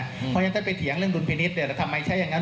เพราะฉะนั้นถ้าไปเถียงเรื่องดุลพินิษฐ์แล้วทำไมใช้อย่างนั้น